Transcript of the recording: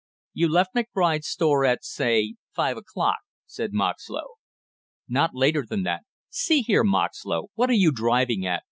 "You left McBride's store at, say, five o'clock?" said Moxlow. "Not later than that see here, Moxlow, what are you driving at?"